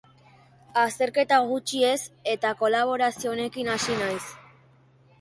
Azterketa gutxi ez eta kolaborazio honekin hasi naiz!